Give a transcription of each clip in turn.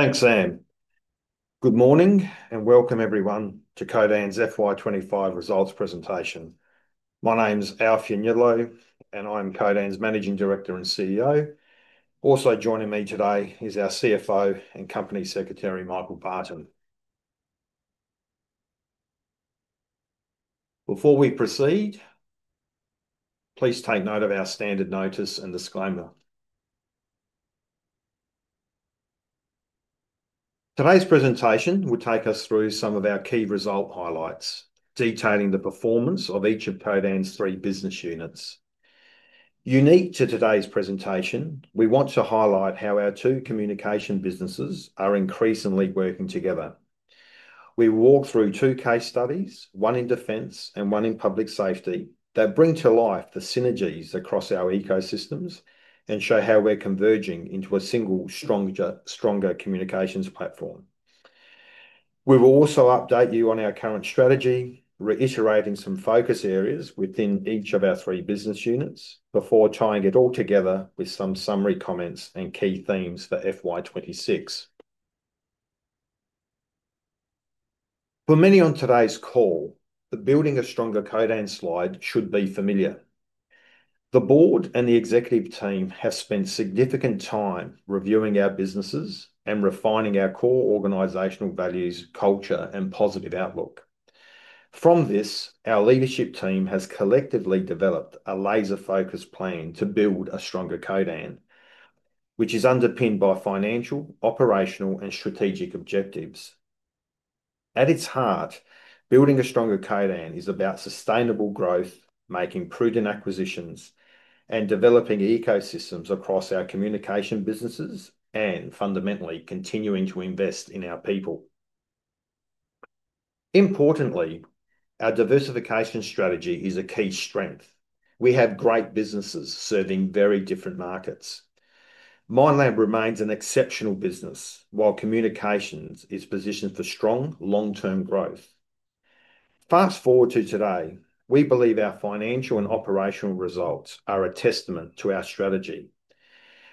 Thanks Sam. Good morning and welcome everyone to Codan's FY 2025 Results Presentation. My name's Alf Ianniello and I'm Codan's Managing Director and CEO. Also joining me today is our CFO and Company Secretary Michael Barton. Before we proceed, please take note of our standard notice and disclaimer. Today's presentation will take us through some of our key result highlights detailing the performance of each of Codan's three business units. Unique to today's presentation, we want to highlight how our two communication businesses are increasingly working together. We walk through two case studies, one in defense and one in public safety, that bring to life the synergies across our ecosystems and show how we're converging into a single stronger communications platform. We will also update you on our current strategy, reiterating some focus areas within each of our three business units before tying it all together with some summary comments and key themes for FY 2026. For many on today's call, the Building a Stronger Codan slide should be familiar. The Board and the Executive Team have spent significant time reviewing our businesses and refining our core organizational values, culture, and positive outlook. From this, our leadership team has collectively developed a laser-focused plan to build a stronger Codan which is underpinned by financial, operational, and strategic objectives. At its heart, Building a Stronger Codan is about sustainable growth, making prudent acquisitions, and developing ecosystems across our communication businesses and fundamentally continuing to invest in our people. Importantly, our diversification strategy is a key strength. We have great businesses serving very different markets. Minelab remains an exceptional business while Communications is positioned for strong long-term growth. Fast forward to today. We believe our financial and operational results are a testament to our strategy.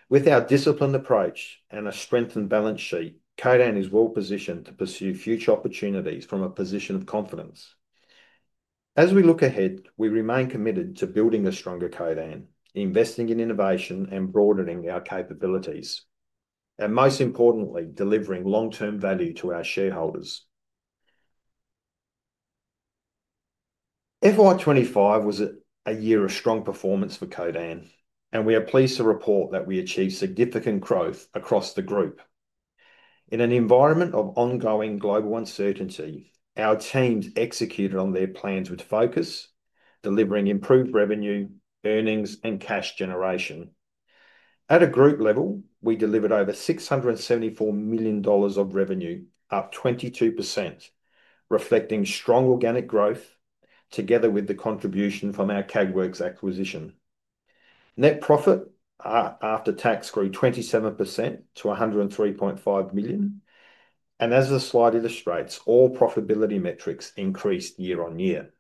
With our disciplined approach and a strengthened balance sheet, Codan is well positioned to pursue future opportunities from a position of confidence. As we look ahead, we remain committed to building a stronger Codan, investing in innovation and broadening our capabilities, and most importantly, delivering long-term value to our shareholders. FY 2025 was a year of strong performance for Codan and we are pleased to report that we achieved significant growth across the group. In an environment of ongoing global uncertainty, our teams executed on their plans with focus delivering improved revenue, earnings, and cash generation. At a group level, we delivered over $674 million of revenue, up 22% reflecting strong organic growth. Together with the contribution from our Kägwerks acquisition, net profit after tax grew 27% to $103.5 million. As the slide illustrates, all profitability metrics increased year on year.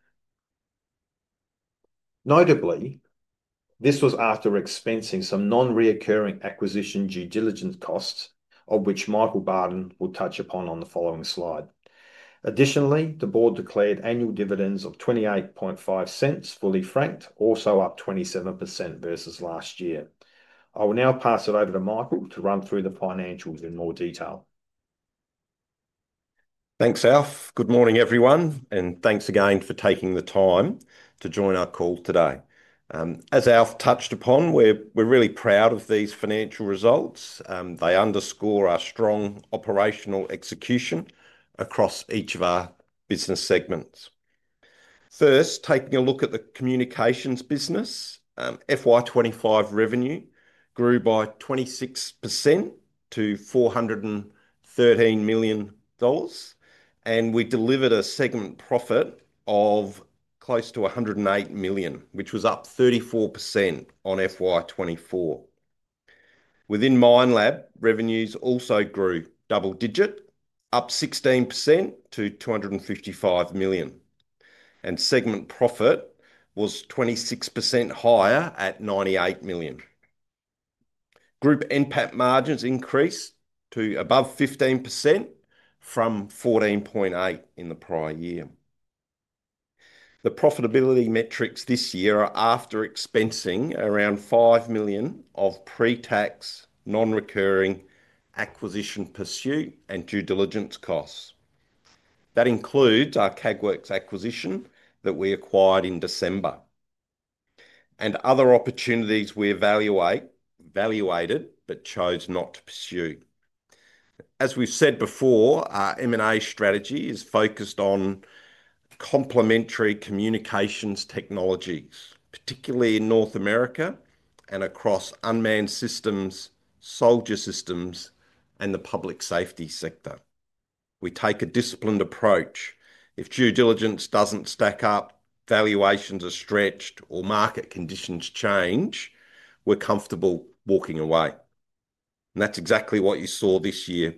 Notably, this was after expensing some non-recurring acquisition due diligence costs which Michael Barton will touch upon on the following slide. Additionally, the Board declared annual dividends of $0.285 fully franked, also up 27% versus last year. I will now pass it over to Michael to run through the financials in more detail. Thanks Alf. Good morning everyone and thanks again for taking the time to join our call today. As Alf touched upon, we're really proud of these financial results. They underscore our strong operational execution across each of our business segments. First, taking a look at the communications business, FY 2025 revenue grew by 26% to $413 million, and we delivered a segment profit of close to $108 million, which was up 34% on FY 2024. Within Minelab, revenues also grew double digit, up 16% to $255 million, and segment profit was 26% higher at $98 million. Group NPAT margins increased to above 15% from 14.8% in the prior year. The profitability metrics this year are after expensing around $5 million of pre-tax, non-recurring acquisition pursuit and due diligence costs. That includes our Kägwerks acquisition that we acquired in December and other opportunities we evaluated but chose not to pursue. As we've said before, our M&A strategy is focused on complementary communications technology, particularly in North America and across unmanned systems, soldier systems, and the public safety sector. We take a disciplined approach. If due diligence doesn't stack up, valuations are stretched, or market conditions change, we're comfortable walking away. That's exactly what you saw this year.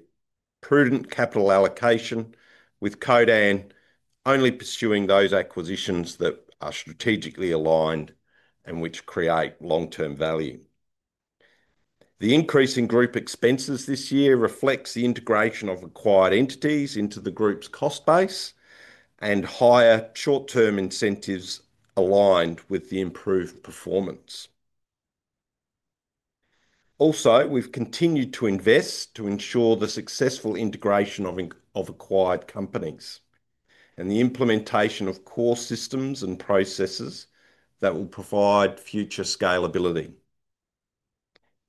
Prudent capital allocation with Codan only pursuing those acquisitions that are strategically aligned and which create long-term value. The increase in group expenses this year reflects the integration of acquired entities into the group's cost base and higher short-term incentives aligned with the improved performance. Also, we've continued to invest to ensure the successful integration of acquired companies and the implementation of core systems and processes that will provide future scalability.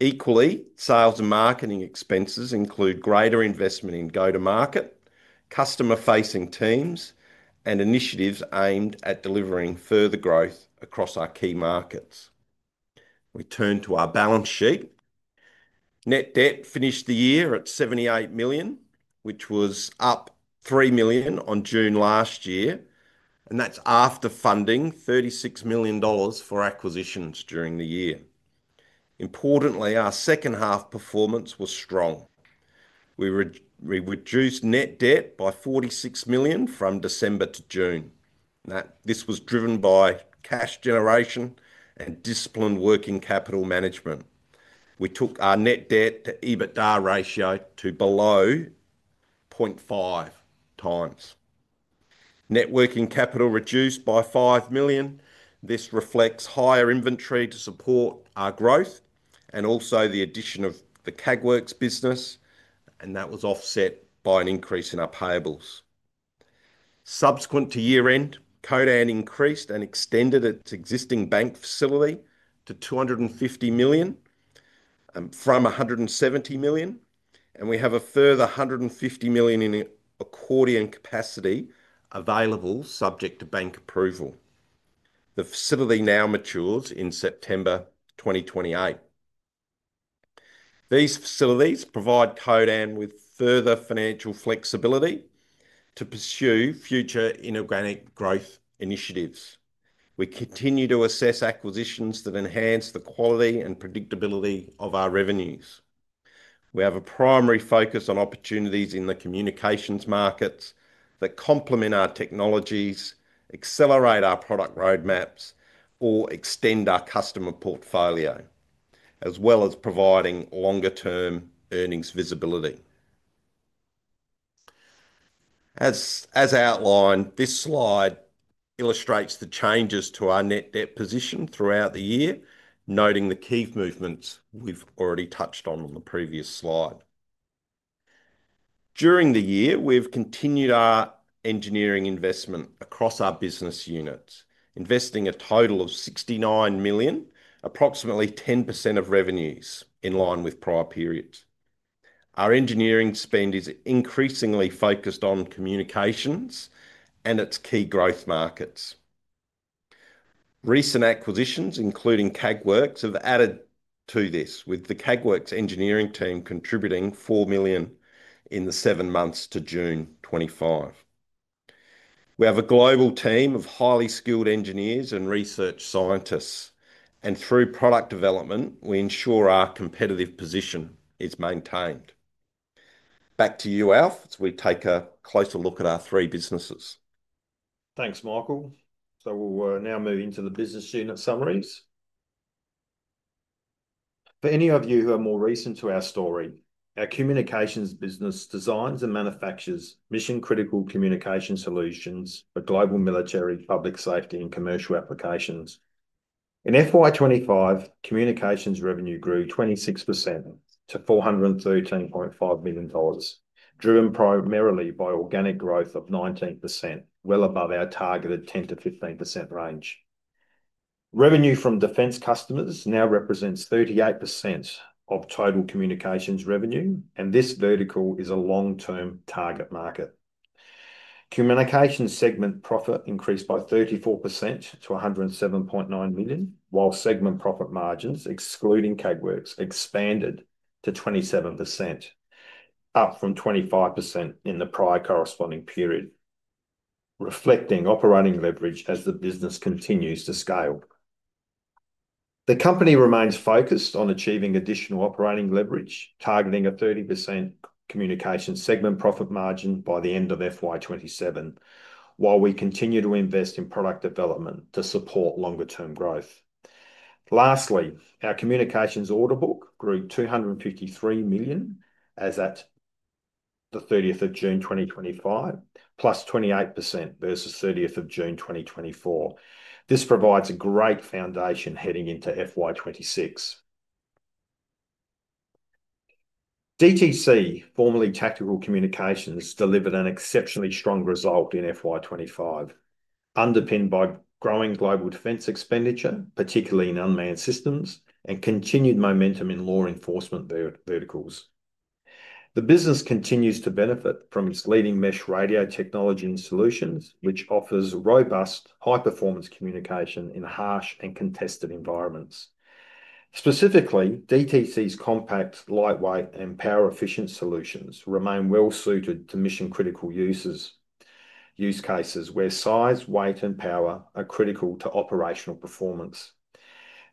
Equally, sales and marketing expenses include greater investment in go-to-market customer-facing teams and initiatives aimed at delivering further growth across our key markets. We turn to our balance sheet. Net debt finished the year at $78 million, which was up $3 million on June last year, and that's after funding $36 million for acquisitions during the year. Importantly, our second half performance was strong. We reduced net debt by $46 million from December to June. This was driven by cash generation and disciplined working capital management. We took our net debt to EBITDA ratio to below 0.5x. Net working capital reduced by $5 million. This reflects higher inventory to support our growth and also the addition of the Kägwerks business, and that was offset by an increase in our payables subsequent to year end. Codan increased and extended its existing bank facility to $250 million from $170 million, and we have a further $150 million in accordion capacity available subject to bank approval. The facility now matures in September 2028. These facilities provide Codan with further financial flexibility to pursue future inorganic growth initiatives. We continue to assess acquisitions that enhance the quality and predictability of our revenues. We have a primary focus on opportunities in the communications markets that complement our technologies, accelerate our product roadmaps, or extend our customer portfolio, as well as providing longer term earnings visibility. As outlined, this slide illustrates the changes to our net debt position throughout the year, noting the key movements we've already touched on the previous slide. During the year, we have continued our engineering investment across our business units, investing a total of $69 million, approximately 10% of revenues. In line with prior periods, our engineering spend is increasingly focused on communications and its key growth markets. Recent acquisitions, including Kägwerks, have added to this, with the Kägwerks engineering team contributing $4 million in the seven months to June 2025. We have a global team of highly skilled engineers and research scientists, and through product development we ensure our competitive position is maintained. Back to you, Alf, as we take a closer look at our three businesses. Thanks Michael. We'll now move into the business unit summaries for any of you who are more recent to our story. Our communications business designs and manufactures mission critical communication solutions for global military, public safety, and commercial applications. In FY 2025, communications revenue grew 26% to $413.5 million, driven primarily by organic growth of 19%, well above our targeted 10% to 15% range. Revenue from defence customers now represents 38% of total communications revenue, and this vertical is a long term target market. Communications segment profit increased by 34% to $107.9 million, while segment profit margins excluding Kägwerks expanded to 27%, up from 25% in the prior corresponding period, reflecting operating leverage. As the business continues to scale, the company remains focused on achieving additional operating leverage, targeting a 30% communications segment profit margin by the end of FY 2027 while we continue to invest in product development to support longer term growth. Lastly, our communications order book grew to $253 million as at 30th June 2025, up 28% versus 30th June 2024. This provides a great foundation heading into FY 2026. DTC, formerly Tactical Communications, delivered an exceptionally strong result in FY 2025, underpinned by growing global defence expenditure, particularly in unmanned systems and continued momentum in law enforcement verticals. The business continues to benefit from its leading mesh radio technology and solutions, which offers robust, high performance communication in harsh and contested environments. Specifically, DTC's compact, lightweight, and power efficient solutions remain well suited to mission critical uses, use cases where size, weight, and power are critical to operational performance.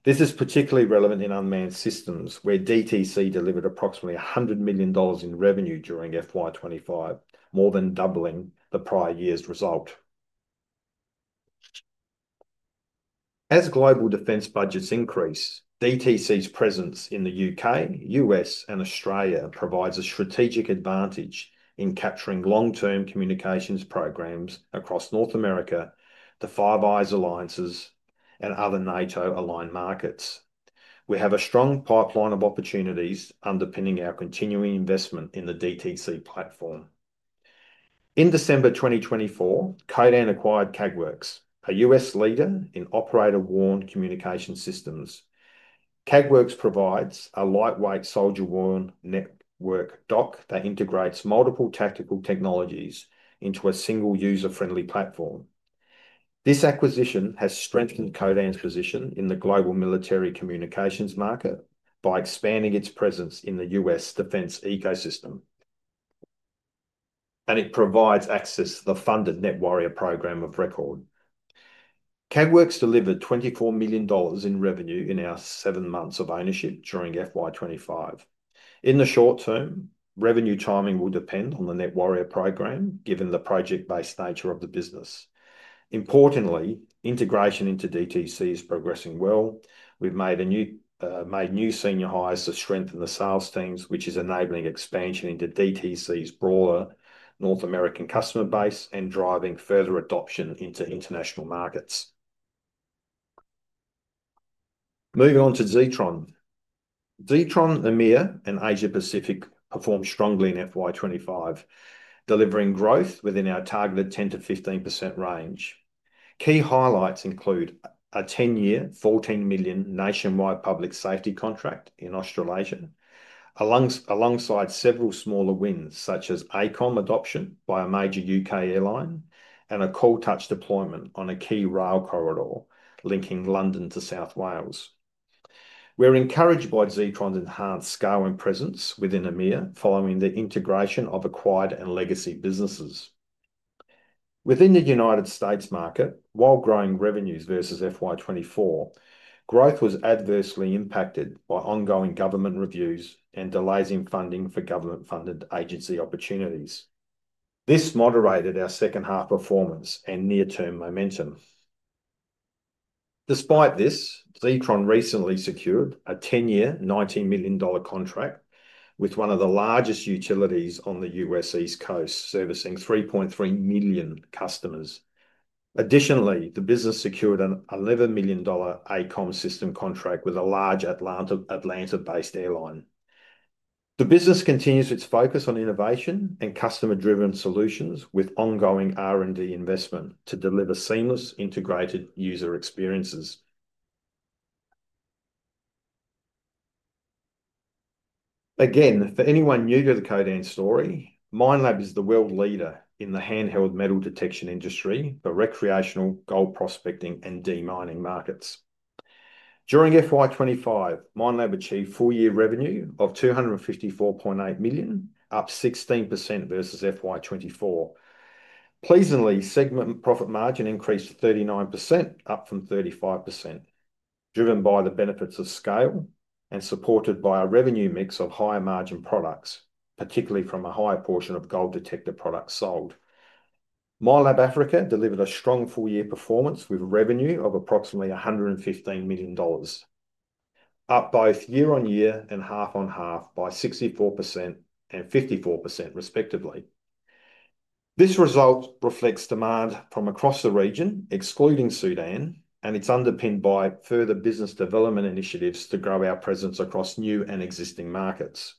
This is particularly relevant in unmanned systems, where DTC delivered approximately $100 million in revenue during FY 2025, more than doubling the prior year's result as global defence budgets increase. DTC's presence in the U.K., U.S., and Australia provides a strategic advantage in capturing long term communications programs across North America, the Five Eyes Alliances, and other NATO aligned markets. We have a strong pipeline of opportunities underpinning our continuing investment in the DTC platform. In December 2024, Codan acquired Kägwerks, a U.S. leader in operator worn communication systems. Kägwerks provides a lightweight soldier worn neck work DOCK that integrates multiple tactical technologies into a single user friendly platform. This acquisition has strengthened Codan's position in the global military communications market by expanding its presence in the U.S. defence ecosystem, and it provides access to the funded Net Warrior program of record. Kägwerks delivered $24 million in revenue in our seven months of ownership during FY 2025. In the short term, revenue timing will depend on the Net Warrior program given the project-based nature of the business. Importantly, integration into DTC is progressing well. We've made new senior hires to strengthen the sales teams, which is enabling expansion into DTC's broader North American customer base and driving further adoption into international markets. Moving on to Zetron, Zetron, EMEA, and Asia Pacific performed strongly in FY 2025, delivering growth within our targeted 10%-15% range. Key highlights include a 10-year, $14 million nationwide public safety contract in Australasia alongside several smaller wins, such as ACOM adoption by a major U.K. airline and a Call Touch deployment on a key rail corridor linking London to South Wales. We are encouraged by Zetron's enhanced scale and presence within EMEA following the integration of acquired and legacy businesses within the United States market. While growing revenues versus FY 2024, growth was adversely impacted by ongoing government reviews and delays in funding for government-funded agency opportunities. This moderated our second half performance and near-term momentum. Despite this, Zetron recently secured a 10-year, $19 million contract with one of the largest utilities on the U.S. East Coast, servicing 3.3 million customers. Additionally, the business secured an $11 million ACOM system contract with a large Atlanta-based airline. The business continues its focus on innovation and customer-driven solutions with ongoing R&D investment to deliver seamless, integrated user experiences. Again, for anyone new to the Codan story, Minelab is the world leader in the handheld metal detection industry for recreational gold prospecting and demining markets. During FY 2025, Minelab achieved full-year revenue of $254.8 million, up 16% versus FY 2024. Pleasingly, segment profit margin increased to 39%, up from 35%. Driven by the benefits of scale and supported by a revenue mix of higher margin products, particularly from a higher portion of gold detector products sold, Minelab Africa delivered a strong full year performance with revenue of approximately $115 million, up both year on year and half on half by 64% and 54% respectively. This result reflects demand from across the region excluding Sudan, and it's underpinned by further business development initiatives to grow our presence across new and existing markets.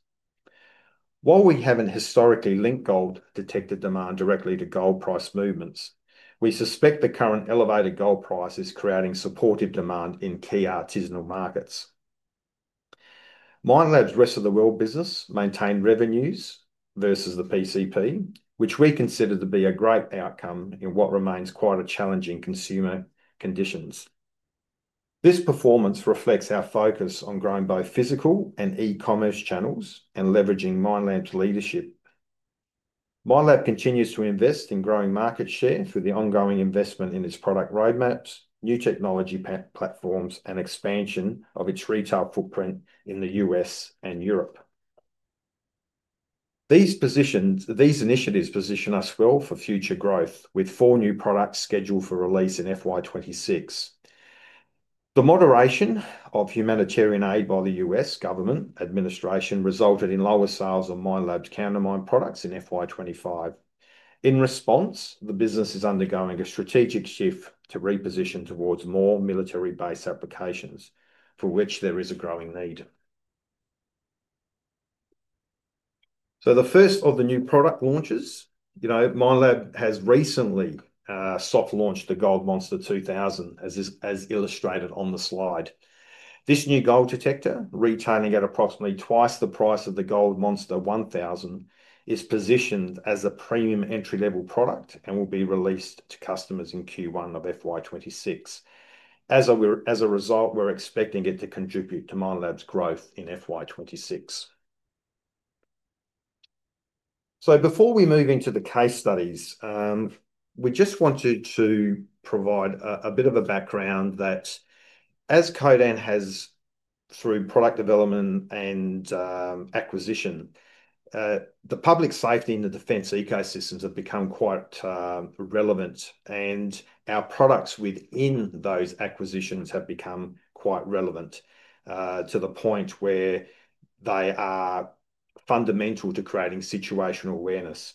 While we haven't historically linked gold detector demand directly to gold price movements, we suspect the current elevated gold price is creating supportive demand in key artisanal markets. Minelab's rest of the world business maintained revenues versus the PCP, which we consider to be a great outcome in what remains quite a challenging consumer conditions. This performance reflects our focus on growing both physical and e-commerce channels and leveraging Minelab's leadership. Minelab continues to invest in growing market share through the ongoing investment in its product roadmaps, new technology platforms, and expansion of its retail footprint in the U.S. and Europe. These initiatives position us well for future growth with four new products scheduled for release in FY 2026. The moderation of humanitarian aid by the U.S. government administration resulted in lower sales on Minelab's countermine products in FY 2025. In response, the business is undergoing a strategic shift to reposition towards more military based applications for which there is a growing need. The first of the new product launches, Minelab has recently soft launched the Gold Monster 2000 as illustrated on the slide. This new gold detector, retailing at approximately twice the price of the Gold Monster 1000, is positioned as a premium entry level product and will be released to customers in Q1 of FY 2026. As a result, we're expecting it to contribute to Minelab's growth in FY 2026. Before we move into the case studies, we just wanted to provide a bit of a background that as Codan has, through product development and acquisition, the public safety and the defence ecosystems have become quite relevant and our products within those acquisitions have become quite relevant to the point where they are fundamental to creating situational awareness.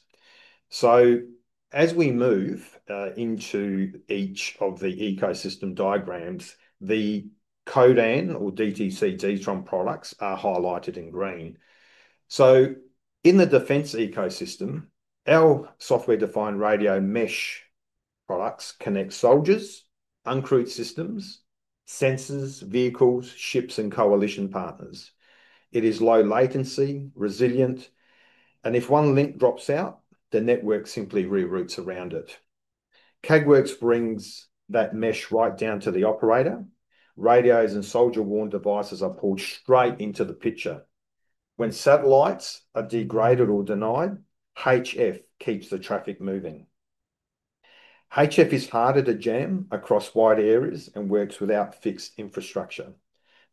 As we move into each of the ecosystem diagrams, the Codan or DTC or Zetron products are highlighted in green. In the defence ecosystem, our software defined radio mesh products connect soldiers, uncrewed systems, sensors, vehicles, ships, and coalition partners. It is low latency, resilient, and if one link drops out, the network simply reroutes around it. Kägwerks brings that mesh right down to the operator. Radios and soldier worn devices are pulled straight into the picture when satellites are degraded or denied. HF keeps the traffic moving. HF is harder to jam across wide areas and works without fixed infrastructure,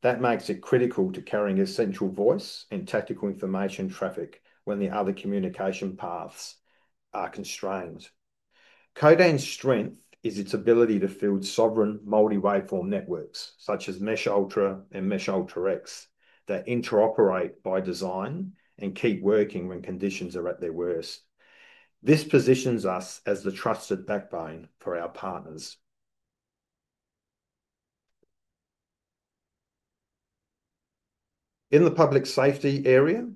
which makes it critical to carrying essential voice and tactical information traffic when the other communication paths are constrained. Codan's strength is its ability to field sovereign multi waveform networks such as Mesh Ultra and Mesh UltraX that interoperate by design and keep working when conditions are at their worst. This positions us as the trusted backbone for our partners in the public safety area.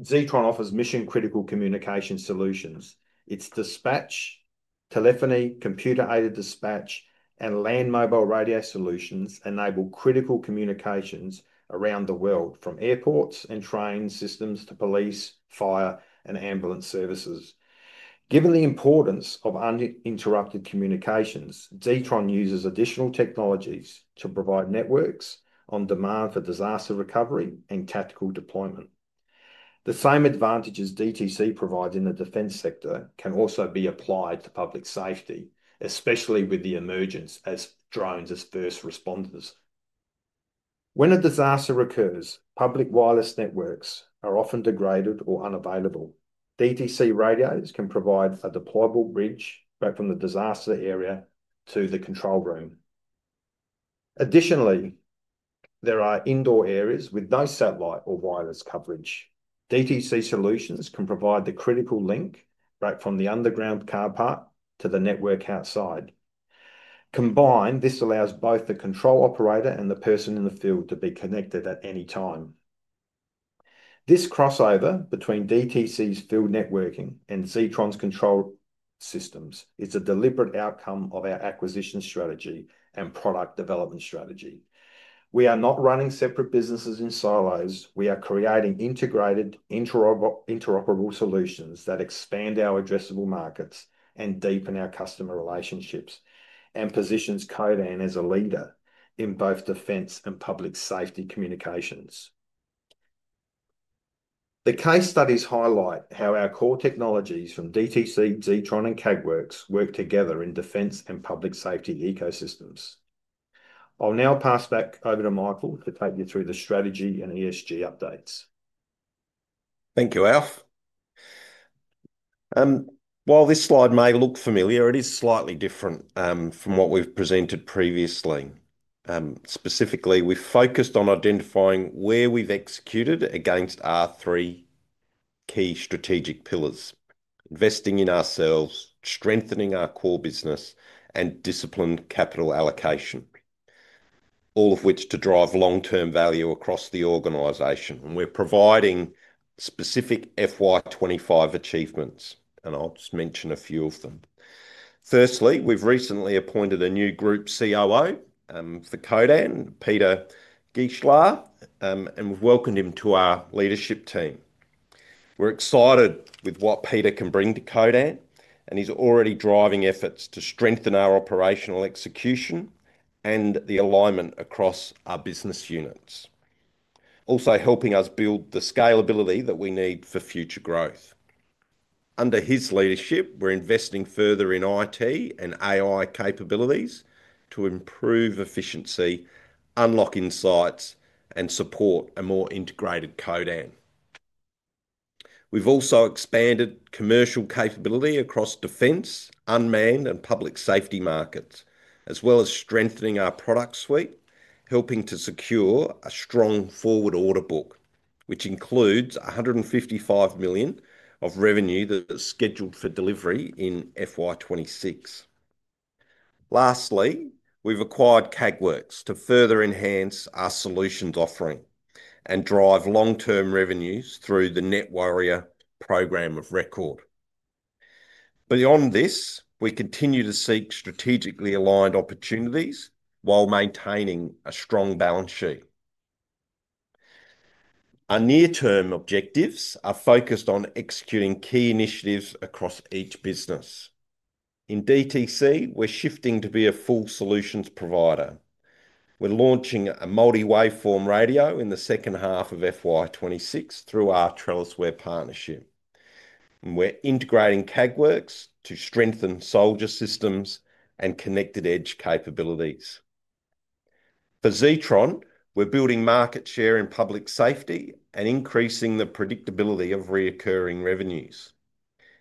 Zetron offers mission critical communication solutions. Its dispatch, telephony, computer aided dispatch, and land mobile radio solutions enable critical communications around the world, from airports and train systems to police, fire, and ambulance services. Given the importance of uninterrupted communications, Zetron uses additional technologies to provide networks on demand for disaster recovery and tactical deployment. The same advantages DTC provides in the defence sector can also be applied to public safety, especially with the emergence of drones as first responders. When a disaster occurs, public wireless networks are often degraded or unavailable. DTC radios can provide a deployable bridge back from the disaster area to the control room. Additionally, there are indoor areas with no satellite or wireless coverage. DTC solutions can provide the critical link right from the underground car park to the network outside. Combined, this allows both the control operator and the person in the field to be connected at any time. This crossover between DTC's field networking and Zetron's control systems is a deliberate outcome of our acquisition strategy and product development strategy. We are not running separate businesses in silos. We are creating integrated, interoperable solutions that expand our addressable markets and deepen our customer relationships and positions. Codan as a leader in both defence and public safety communications, the case studies highlight how our core technologies from DTC, Zetron, and Kägwerks work together in defence and public safety ecosystems. I'll now pass back over to Michael to take you through the strategy and ESG updates. Thank you Alf. While this slide may look familiar, it is slightly different from what we've presented previously. Specifically, we focused on identifying where we've executed against our three key strategic pillars, investing in ourselves, strengthening our core business, and disciplined capital allocation, all of which drive long term value across the organization. We're providing specific FY 2025 achievements and I'll just mention a few of them. Firstly, we've recently appointed a new Group COO for Codan, Pieter Guichelaar, and we've welcomed him to our leadership team. We're excited with what Pieter can bring to Codan and he's already driving efforts to strengthen our operational execution and the alignment across our business units, also helping us build the scalability that we need for future growth. Under his leadership, we're investing further in IT and AI capabilities to improve efficiency, unlock insights, and support a more integrated Codan. We've also expanded commercial capability across defense, unmanned, and public safety markets as well as strengthening our product suite, helping to secure a strong forward order book which includes $155 million of revenue that's scheduled for delivery in FY 2026. Lastly, we've acquired Kägwerks to further enhance our solutions offering and drive long term revenues through the Net Warrior program of record. Beyond this, we continue to seek strategically aligned opportunities while maintaining a strong balance sheet. Our near term objectives are focused on executing key initiatives across each business. In DTC, we're shifting to be a full solutions provider. We're launching a multi waveform radio in the second half of FY 2026 through our TrellisWare partnership and we're integrating Kägwerks to strengthen soldier systems and connected edge capabilities. For Zetron, we're building market share in public safety and increasing the predictability of recurring revenues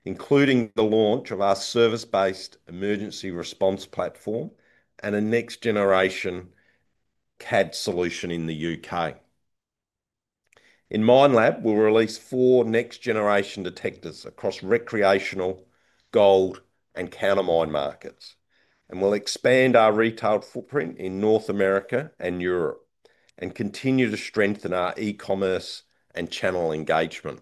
including the launch of our service based emergency response platform and a next generation CAD solution in the U.K. In Minelab, we'll release four next generation detectors across recreational, gold, and countermine markets and we'll expand our retail footprint in North America and Europe and continue to strengthen our e-commerce and channel engagement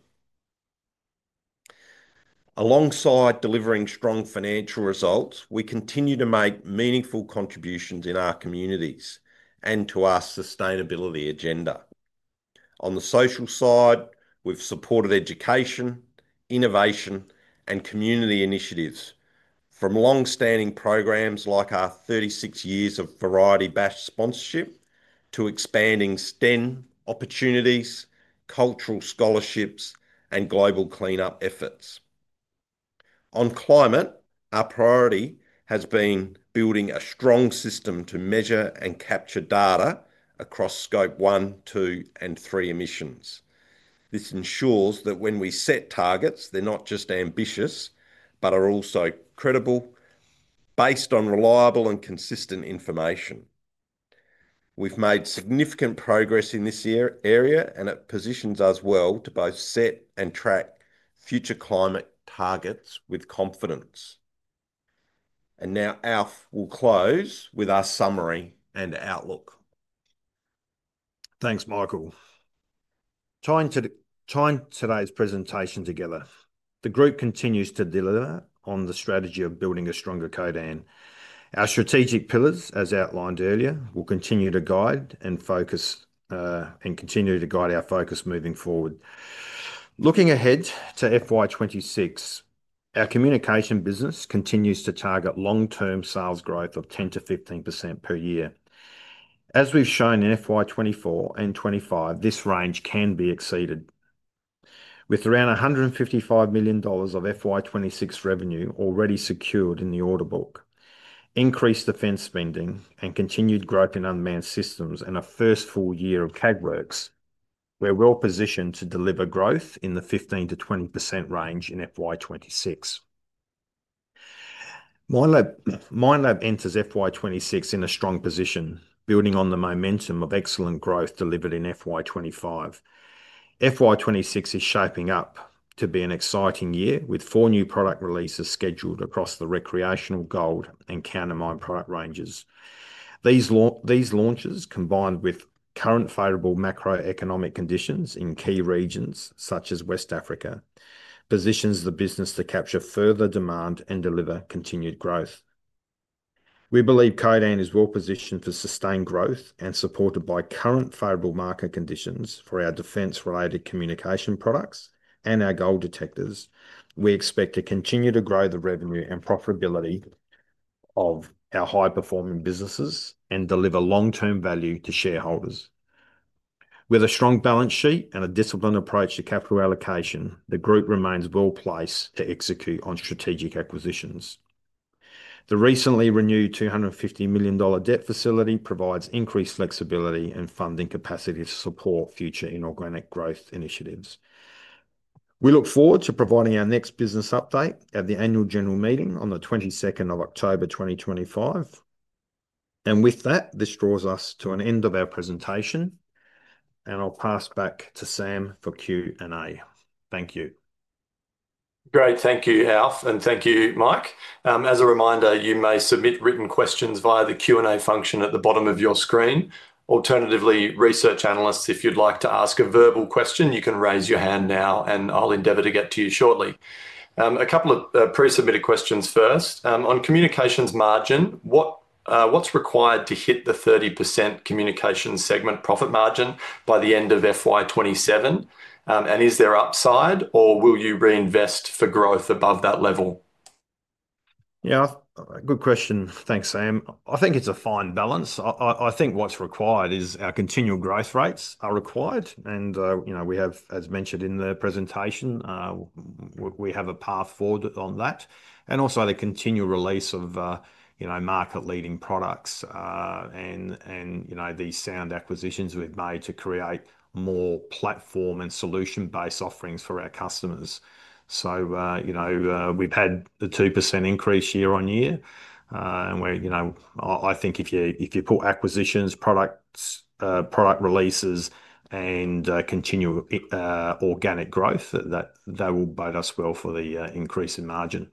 alongside delivering strong financial results. We continue to make meaningful contributions in our communities and to our sustainability agenda. On the social side, we've supported education, innovation, and community initiatives from long standing programs like our 36 years of Variety Bash sponsorship to expanding STEM opportunities, cultural scholarships, and global cleanup efforts. On climate, our priority has been building a strong system to measure and capture data across Scope 1, 2, and 3 emissions. This ensures that when we set targets they're not just ambitious, but are also credible based on reliable and consistent information. We've made significant progress in this area and it positions us well to both set and track future climate targets with confidence. Alf will now close with our summary and outlook. Thanks, Michael. Tying today's presentation together, the Group continues to deliver on the strategy of building a stronger Codan. Our strategic pillars, as outlined earlier, will continue to guide our focus moving forward. Looking ahead to FY 2026, our communications business continues to target long-term sales growth of 10%-15% per year. As we've shown in FY 2024 and FY 2025, this range can be exceeded. With around $155 million of FY 2026 revenue already secured in the order book, increased defense spending, continued growth in unmanned systems, and a first full year of Kägwerks, we're well positioned to deliver growth in the 15%-20% range in FY 2026. Minelab enters FY 2026 in a strong position, building on the momentum of excellent growth delivered in FY 2025. FY 2026 is shaping up to be an exciting year with four new product releases scheduled across the recreational, gold, and countermine product ranges. These launches, combined with current favorable macroeconomic conditions in key regions such as West Africa, position the business to capture further demand and deliver continued growth. We believe Codan is well positioned for sustained growth and supported by current favorable market conditions for our defense-related communications products and our gold detectors. We expect to continue to grow the revenue and profitability of our high-performing businesses and deliver long-term value to shareholders. With a strong balance sheet and a disciplined approach to capital allocation, the Group remains well placed to execute on strategic acquisitions. The recently renewed $250 million debt facility provides increased flexibility and funding capacity to support future inorganic growth initiatives. We look forward to providing our next business update at the Annual General Meeting on 22nd October 2025. This draws us to an end of our presentation, and I'll pass back to Sam for Q&A. Thank you. Great. Thank you, Alf, and thank you, Mike. As a reminder, you may submit written questions via the Q&A function at the bottom of your screen. Alternatively, research analysts, if you'd like to ask a verbal question, you can raise your hand now and I'll endeavor to get to you shortly. A couple of pre-submitted questions. First, on communications margin, what's required to hit the 30% communications segment profit margin by the end of FY 2027, and is there upside or will you reinvest for growth above that level? Yeah, good question. Thanks, Sam. I think it's a fine balance. I think what's required is our continual growth rates are required and we have, as mentioned in the presentation, we have a path forward on that. Also, the continual release of, you know, market leading products and, you know, these sound acquisitions we've made to create more platform and solution based offerings for our customers. We've had the 2% increase year on year and we're, you know, I think if you put acquisitions, products, product releases and continue organic growth, that will bait us well for the increase in margin.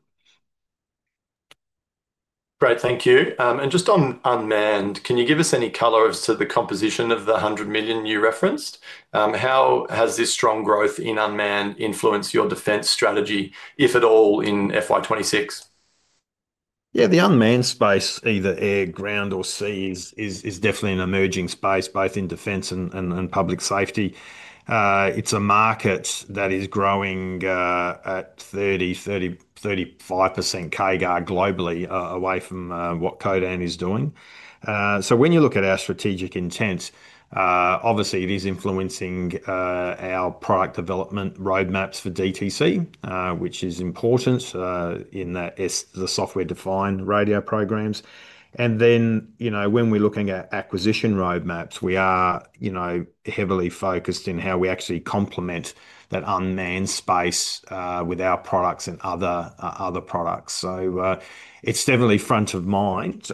Great, thank you. Just on unmanned, can you give us any color as to the composition of the $100 million you referenced? How has this strong growth in unmanned influenced your defence strategy, if at all, in FY 2026? Yeah, the unmanned space, either air, ground or sea, is definitely an emerging space both in defense and public safety. It's a market that is growing at 30%, 30%, 35% CAGR globally away from what Codan is doing. When you look at our strategic intent, obviously it is influencing our product development roadmaps for DTC which is important in that the software defined radio programs. When we're looking at acquisition roadmaps, we are heavily focused in how we actually complement that unmanned space with our products and other products. It's definitely front of mind.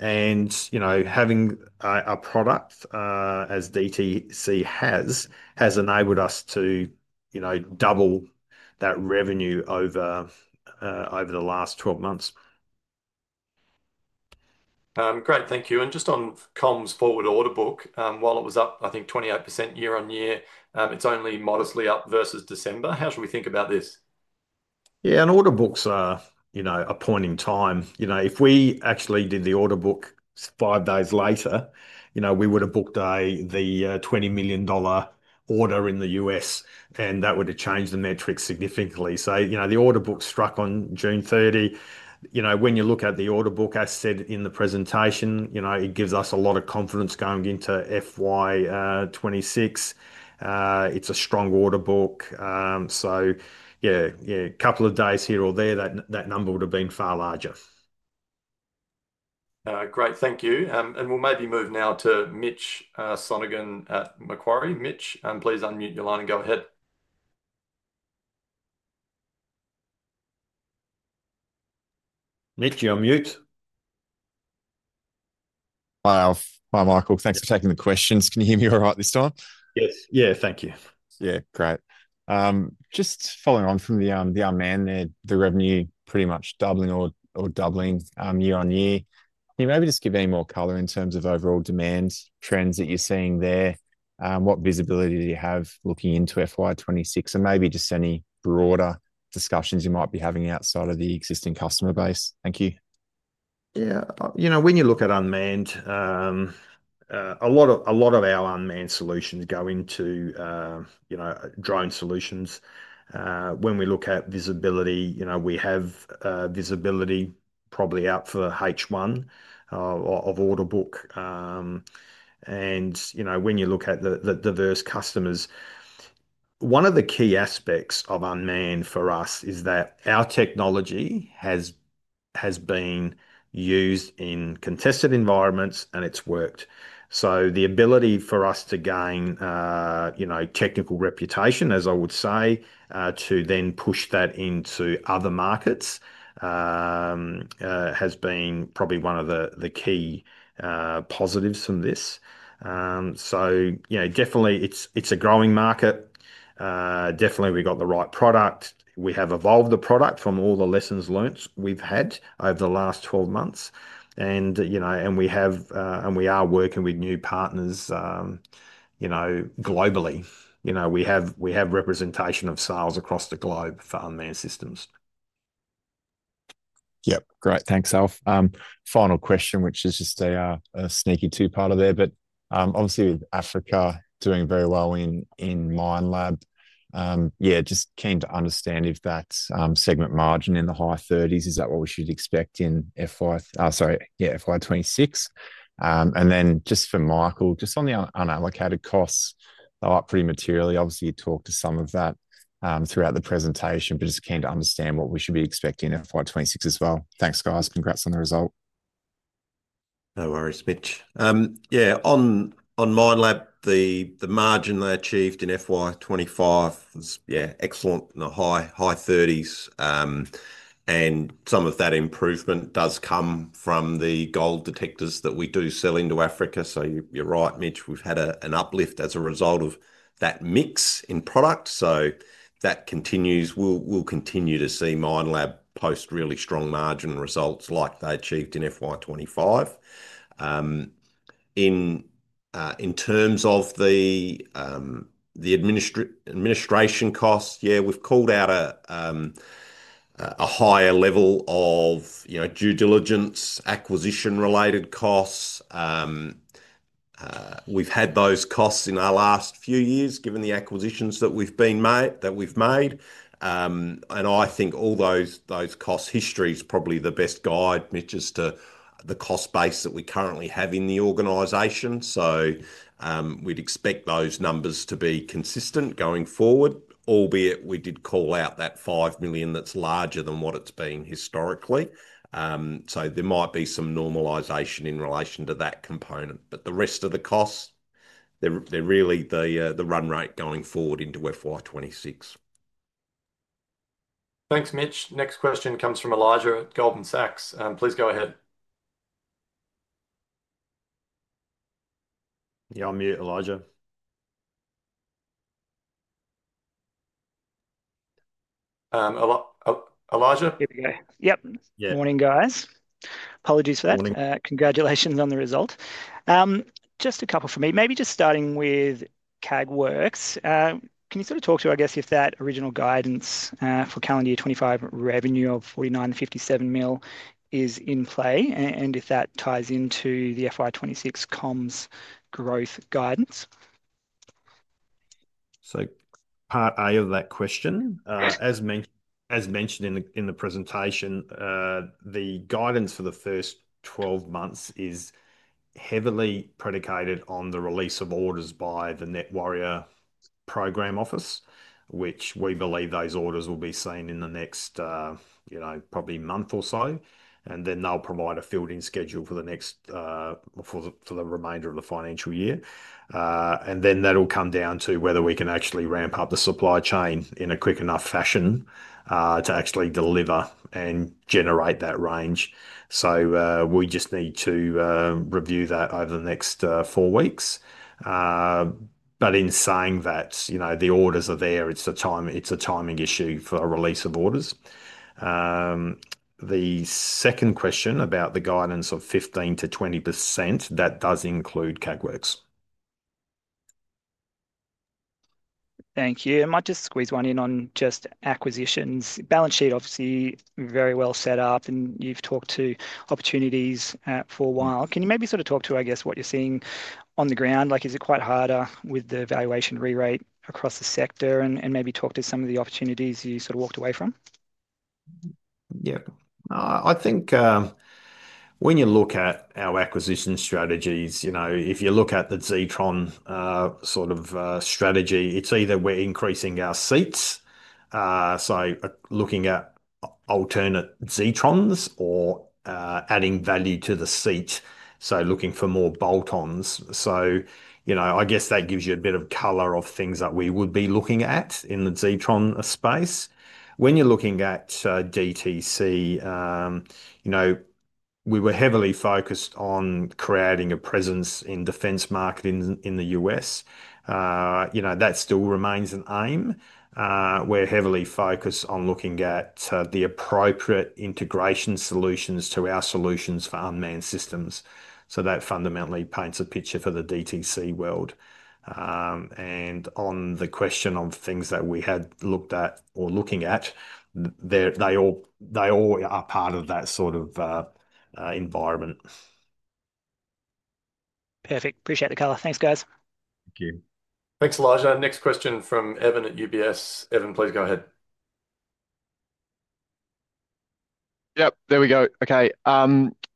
Having a product as DTC has, has enabled us to double that revenue over the last 12 months. Great, thank you. Just on comms, forward order book, while it was up 28% year on year, it's only modestly up versus December. How should we think about this? Yeah, and order books are a point in time. If we actually did the order book five days later, we would have booked the $20 million order in the U.S. and that would have changed the metrics significantly. The order book struck on June 30th. When you look at the order book as said in the presentation, it gives us a lot of confidence going into FY 2026, it's a strong order book. A couple of days here or there, that number would have been far larger. Great, thank you. We'll maybe move now to Mitch Sonnigan, Macquarie. Mitch, please unmute your line and go ahead. Mitch, you're mute. Hi, Alf. Hi, Michael. Thanks for taking the questions. Can you hear me all right this time? Yes. Yes, thank you. Yeah, great. Just following on from the unmanned, the revenue pretty much doubling or doubling year on year. Can you maybe just give any more color in terms of overall demand trends that you're seeing there? What visibility do you have looking into FY 2026 and maybe just any broader discussions you might be having outside of the existing customer base? Thank you. Yeah, you know, when you look at unmanned, a lot of our unmanned solutions go into drone solutions. When we look at visibility, we have visibility probably out for H1 of order book. When you look at the diverse customers, one of the key aspects of unmanned for us is that our technology has been used in contested environments and it's worked. The ability for us to gain technical reputation, as I would say, to then push that into other markets has been probably one of the key positives from this. It's a growing market. We definitely got the right product. We have evolved the product from all the lessons learned we've had over the last 12 months. We are working with new partners globally. We have representation of sales across the globe for unmanned systems. Yep, great. Thanks, Alf. Final question, which is just a sneaky two part there, but obviously with Africa doing very well in Minelab. Just keen to understand if that segment margin in the high 30% is what we should expect in FY 2026. And then just for Michael, just on the unallocated costs, they're up pretty materially. Obviously you talked some of that throughout the presentation, but it's keen to understand what we should be expecting FY 2026 as well. Thanks, guys. Congrats on the result. No worries, Mitch. Yeah. On Minelab, the margin they achieved in FY 2025 was excellent in the high 30%. Some of that improvement does come from the gold detectors that we do sell into Africa. You're right, Mitch. We've had an uplift as a result of that mix in product. That continues. We'll continue to see Minelab post really strong margin results like they achieved in FY 2025. In terms of the administration costs, we've called out a higher level of due diligence, acquisition-related costs. We've had those costs in our last few years, given the acquisitions that we've made, and I think all those cost history is probably the best guide, Mitch, as to the cost base that we currently have in the organization. We'd expect those numbers to be consistent going forward, albeit we did call out that $5 million that's larger than what it's been historically. There might be some normalization in relation to that component, but the rest of the costs, they're really the run rate going forward into FY 2026. Thanks, Mitch. Next question comes from Elijah, Goldman Sachs. Please go ahead. Yeah, I'll mute. Elijah. Yep. Morning guys. Apologies for that. Congratulations on the result. Just a couple for me. Maybe just starting with Kägwerks. Can you sort of talk to, I guess if that original guidance for calendar year 2025 revenue of $49.57 million is in play and if that ties into the FY 2026 comms growth guidance. Part A of that question, as mentioned in the presentation, the guidance for the first 12 months is heavily predicated on the release of orders by the Net Warrior program office, which we believe those orders will be seen in the next, you know, probably month or so, and then they'll provide a filled in schedule for the remainder of the financial year. That'll come down to whether we can actually ramp up the supply chain in a quick enough fashion to actually deliver and generate that range. We just need to review that over the next four weeks. In saying that, the orders are there, it's a timing issue for a release of orders. The second question about the guidance of 15%-20% does include Kägwerks. Thank you. I might just squeeze one in on just acquisitions. Balance sheet obviously very well set up, and you've talked to opportunities for a while. Can you maybe sort of talk to, I guess, what you're seeing on the ground, like is it quite harder with the valuation rate across the sector, and maybe talk to some of the opportunities you sort of walked away from. Yeah, I think when you look at our acquisition strategies, you know, if you look at the Zetron sort of strategy, it's either we're increasing our seats, so looking at alternate Zetrons, or adding value to the seat, so looking for more bolt-ons. I guess that gives you a bit of color of things that we would be looking at in the Zetron space. When you're looking at DTC, you know, we were heavily focused on creating a presence in the defense market in the U.S., you know, that still remains an aim. We're heavily focused on looking at the appropriate integration solutions to our solutions for unmanned systems. That fundamentally paints a picture for the DTC world. On the question of things that we had looked at or looking at, they all are part of that sort of environment. Perfect. Appreciate the color. Thanks, guys. Thank you. Thanks, Elijah. Next question from Evan at UBS. Evan, please go ahead. Yep, there we go. Okay,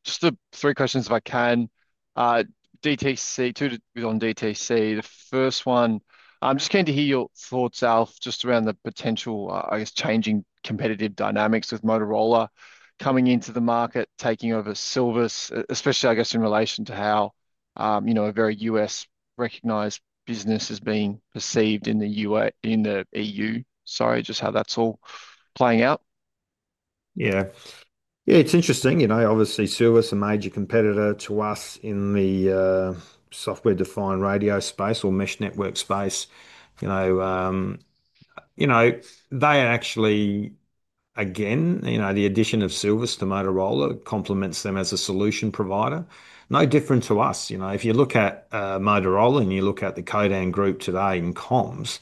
just the three questions, if I can. DTC, on DTC. The first one, I'm just keen to hear your thoughts, Alf, just around the potential, I guess, changing competitive dynamics with Motorola coming into the market, taking over Silvus, especially, I guess, in relation to how, you know, a very U.S. recognized business has been perceived in the U.S., in the EU. Sorry, just how that's all playing out. Yeah, it's interesting. Obviously, Silvus is a major competitor to us in the software defined radio space or mesh network space. They actually, again, the addition of Silvus' to Motorola complements them as a solution provider, no different to us. If you look at Motorola and you look at the Codan Group today in comms,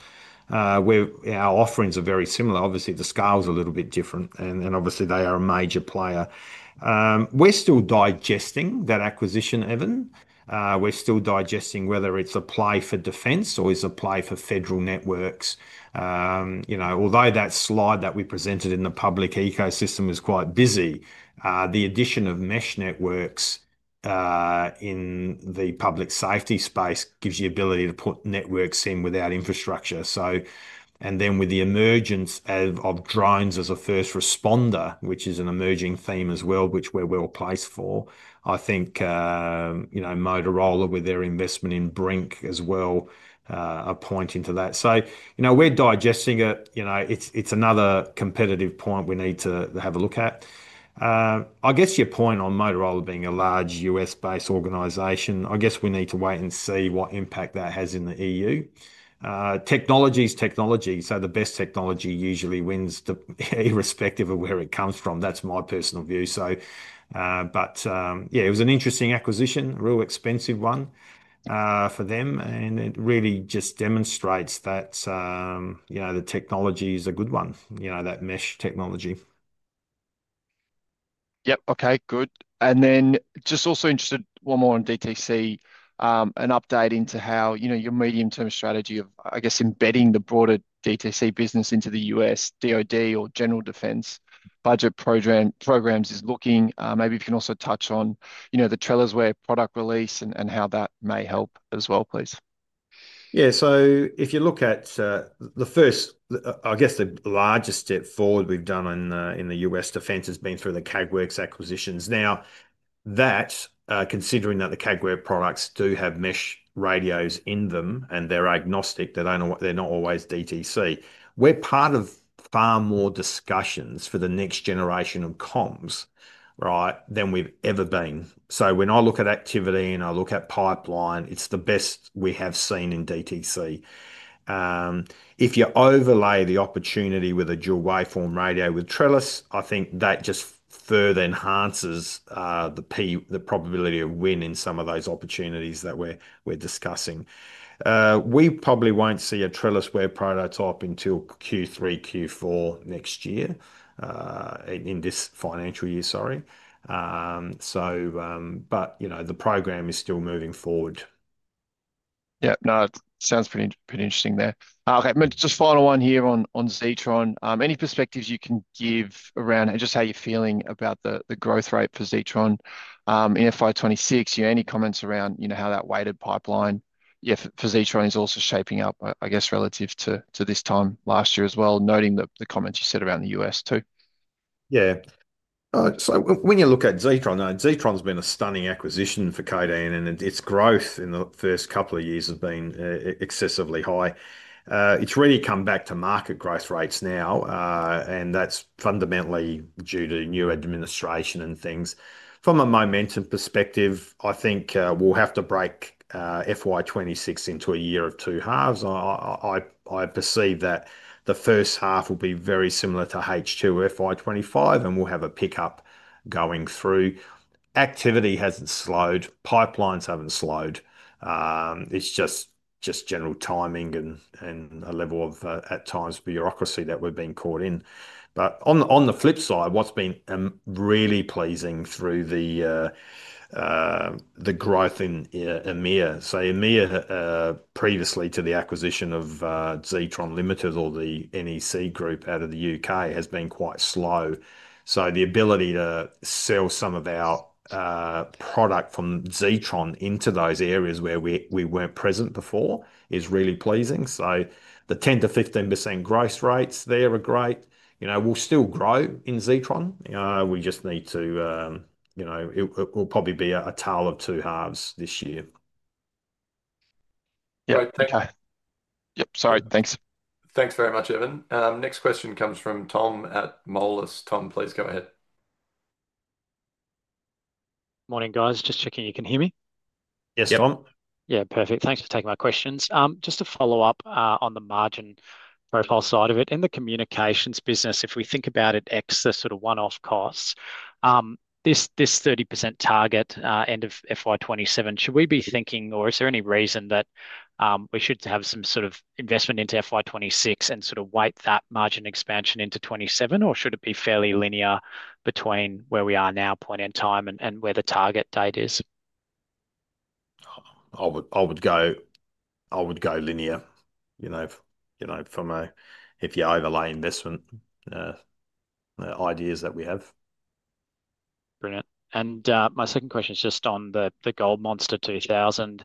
our offerings are very similar. Obviously, the scale's a little bit different and obviously they are a major player. We're still digesting that acquisition, Evan. We're still digesting whether it's a play for defense or it's a play for federal networks. Although that slide that we presented in the public ecosystem is quite busy, the addition of mesh networks in the public safety space gives you ability to put networks in without infrastructure. Then with the emergence of drones as a first responder, which is an emerging theme as well, which we're well placed for, I think Motorola with their investment in Brink as well are pointing to that. We're digesting it. It's another competitive point we need to have a look at. I guess your point on Motorola being a large U.S. based organization, I guess we need to wait and see what impact that has in the EU. Technology is technology. The best technology usually wins irrespective of where it comes from. That's my personal view. It was an interesting acquisition, real expensive one for them, and it really just demonstrates that the technology is a good one, that mesh technology. Yeah. Okay, good. Also interested, one more on Domo Tactical Communications. An update into how, you know, your medium term strategy of, I guess, embedding the broader Domo Tactical Communications business into the U.S. DoD or general defense budget programs is looking. Maybe if you can also touch on, you know, the TrellisWare product release and how that may help as well, please. Yeah. If you look at the first, I guess the largest step forward we've done in the U.S. Defense has been through the Kägwerks acquisitions. Now, considering that the Kägwerks products do have mesh radios in them and they're agnostic, they're not always DTC. We're part of far more discussions for the next generation of comms than we've ever been. When I look at activity and I look at pipeline, it's the best we have seen in DTC. If you overlay the opportunity with a dual waveform radio with Trellis, I think that just further enhances the probability of win in some of those opportunities that we're discussing. We probably won't see a Trellis wear prototype until Q3, Q4 next year in this financial year, but the program is still moving forward. Yeah, no, sounds pretty interesting there. Okay, just final one here on Zetron. Any perspectives you can give around just how you're feeling about the growth rate for Zetron in FY 2026? You have any comments around how that weighted pipeline for Zetron is also shaping up, I guess relative to this time last year as well? Noting that the comments you said around the U.S. too. Yeah. So when you look at Zetron, Zetron's been a stunning acquisition for Codan and its growth in the first couple of years has been excessively high. It's really come back to market growth rates now, and that's fundamentally due to new administration and things from a momentum perspective. I think we'll have to break FY 2026 into a year of two halves. I perceive that the first half will be very similar to H2 FY 2025, and we'll have a pickup going through. Activity hasn't slowed, pipelines haven't slowed. It's just general timing and a level of, at times, bureaucracy that we've been caught in. On the flip side, what's been really pleasing is the growth in EMEA. EMEA, previously to the acquisition of Zetron or the NEC Group out of the U.K., has been quite slow. The ability to sell some of our product from Zetron into those areas where we weren't present before is really pleasing. The 10%-15% growth rates there are great. We'll still grow in Zetron. We just need to, you know, it will probably be a tale of two halves this year. Yeah, okay. Yep, sorry, thanks. Thanks very much, Evan. Next question comes from Tom at Moelis. Tom, please go ahead. Morning guys. Just checking you can hear me. Yes, Tom. Yeah, perfect. Thanks for taking my questions. Just to follow up on the margin profile side of it in the communications business, if we think about it, excess sort of one off costs, this 30% target end of FY 2027, should we be thinking or is there any reason that we should have some sort of investment into FY 2026 and sort of weight that margin expansion into 2027, or should it be fairly linear between where we are now point in time and where the target date is? I would go linear from if you overlay investment ideas that we have. Brilliant. My second question is just on the Gold Monster 2000.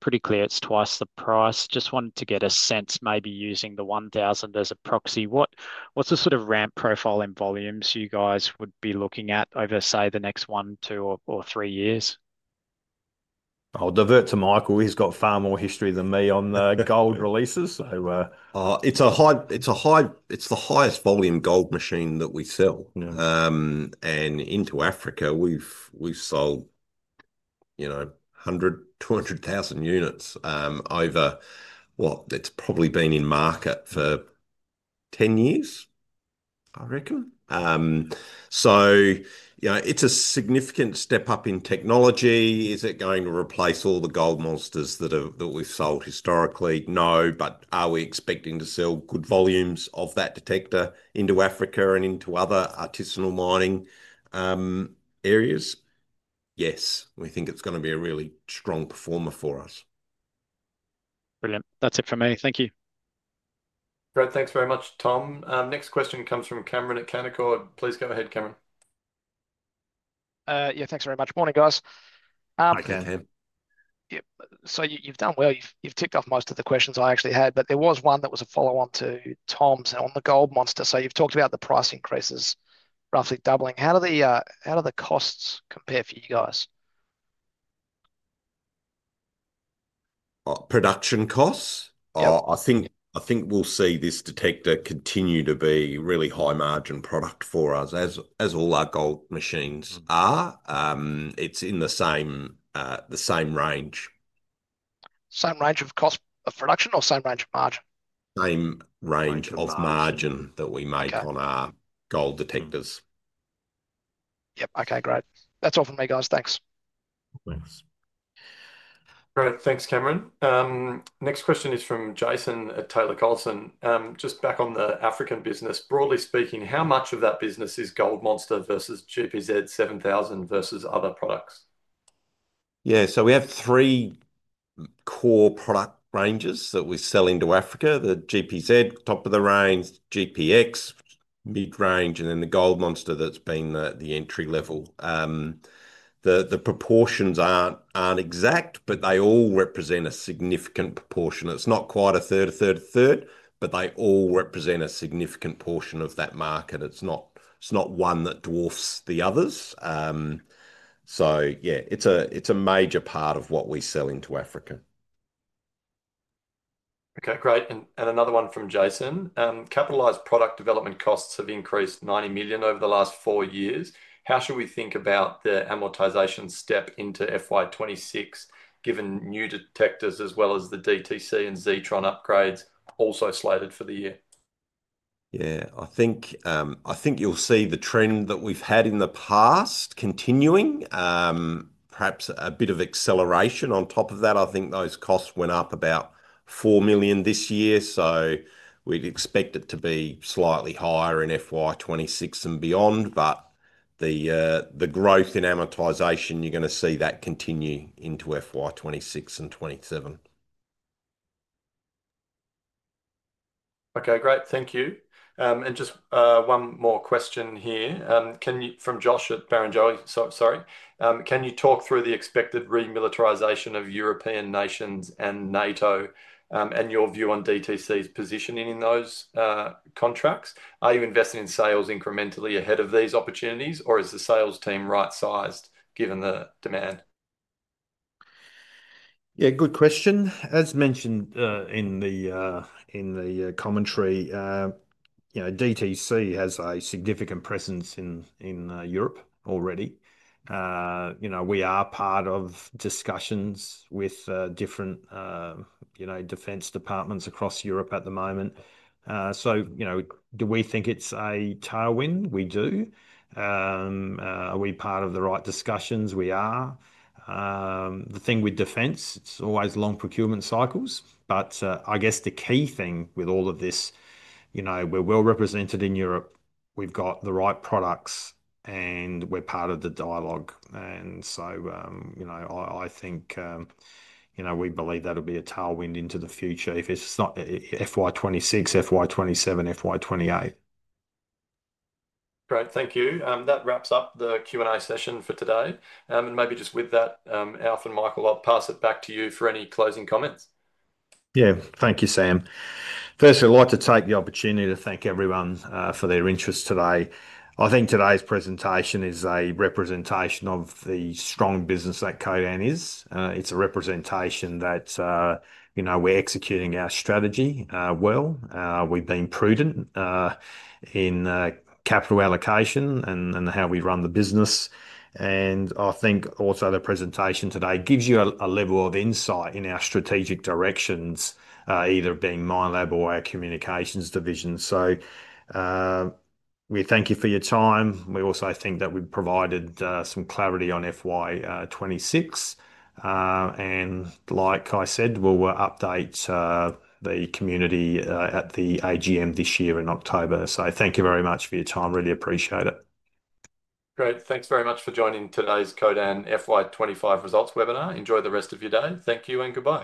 Pretty clear it's twice the price. Just wanted to get a sense maybe using the 1000 as a proxy. What's the sort of ramp profile in volumes you guys would be looking at over, say, the next one, two, or three years? I'll divert to Michael Barton. He's got far more history than me on the gold releases. It's a high. It's a high. It's the highest volume gold machine that we sell, and into Africa we've sold, you know, 100,000 units-200,000 units over what, it's probably been in market for 10 years I reckon. It's a significant step up in technology. Is it going to replace all the Gold Monsters that we've sold historically? No. Are we expecting to sell good volumes of that detector into Africa and into other artisanal mining areas? Yes, we think it's going to be a really strong performer for us. Brilliant. That's it for me. Thank you. Great. Thanks very much, Tom. Next question comes from Cameron at Canaccord. Please go ahead, Cameron. Yeah, thanks very much. Morning guys. Yep. You've done well. You've ticked off most of the questions I actually had. There was one that was a follow on to Tom's on the Gold Monster. You've talked about the price increases roughly doubling. How do the costs compare for you guys? Production costs? I think we'll see this detector continue to be a really high margin product for us, as all our gold machines are. It's in the same range, same range. Of cost of production or same range. Of margin, same range of margin that we make on our gold detectors. Yep. Okay, great. That's all for me, guys. Thanks. Thanks. Great. Thanks, Cameron. Next question is from Jason at Taylor Colson. Just back on the African business, broadly speaking, how much of that business is Gold Monster versus GPZ 7000 versus other products? Yeah, so we have three core product ranges that we sell into Africa. The GPZ, top of the range, GPX, mid range, and then the Gold Monster. That's been the entry level. The proportions aren't exact, but they all represent a significant proportion. It's not quite a third, a third, a third, but they all represent a significant portion of that market. It's not one that dwarfs the others. Yeah, it's a major part of what we sell into Africa. Okay, great. Another one from Jason. Capitalized product development costs have increased $90 million over the last four years. How should we think about the amortization step into FY 2026 given new detectors as well as the DTC and Zetron upgrades also slated for the year? Yeah, I think you'll see the trend that we've had in the past continuing, perhaps a bit of acceleration on top of that. I think those costs went up about $4 million this year. We'd expect it to be slightly higher in FY 2026 and beyond. The growth in amortization, you're going to see that continue into FY 2026 and 2027. Okay, great. Thank you. Just one more question here from Josh at Barrenjoey. Sorry. Can you talk through the expected remilitarization of European nations and NATO and your view on DTC's positioning in those contracts? Are you investing in sales incrementally ahead of these opportunities, or is the sales team right sized, given the demand? Yeah, good question. As mentioned in the commentary, DTC has a significant presence in Europe already. We are part of discussions with different defense departments across Europe at the moment. Do we think it's a tailwind? We do. Are we part of the right discussions? We are. The thing with defense, it's always long procurement cycles. I guess the key thing with all of this, we're well represented in Europe. We've got the right products and we're part of the dialogue. We believe that'll be a tailwind into the future, if it's FY 2026, FY 2027, FY 2028. Great, thank you. That wraps up the Q&A session for today. Alf and Michael, I'll pass it back to you for any closing comments. Thank you, Sam. Firstly, I'd like to take the opportunity to thank everyone for their interest today. I think today's presentation is a representation of the strong business that Codan is. It's a representation that we're executing our strategy well. We've been prudent in capital allocation and how we run the business. I think also the presentation today gives you a level of insight in our strategic directions, either being Minelab or our communications division. We thank you for your time. We also think that we provided some clarity on FY 2026. Like I said, we'll update the community at the AGM this year in October. Thank you very much for your time. Really appreciate it. Great. Thanks very much for joining today's Codan FY 2025 results webinar. Enjoy the rest of your day. Thank you and goodbye.